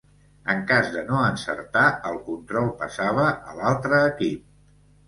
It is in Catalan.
En cas de no encertar, el control passava a l'altre equip.